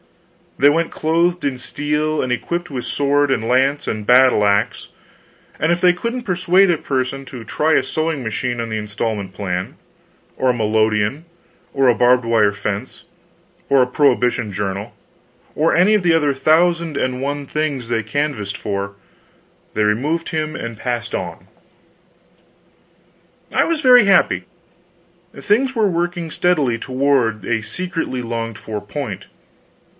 They went clothed in steel and equipped with sword and lance and battle axe, and if they couldn't persuade a person to try a sewing machine on the installment plan, or a melodeon, or a barbed wire fence, or a prohibition journal, or any of the other thousand and one things they canvassed for, they removed him and passed on. I was very happy. Things were working steadily toward a secretly longed for point.